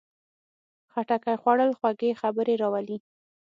خټکی خوړل خوږې خبرې راولي.